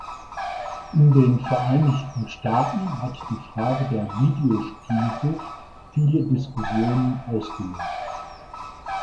In den Vereinigten Staaten hat die Frage der Videospiel-Sucht viele Diskussionen ausgelöst.